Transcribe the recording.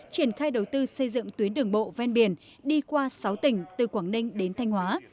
triển khai đầu tư xây dựng tuyến đường bộ ven biển đi qua sáu tỉnh từ quảng ninh đến thanh hóa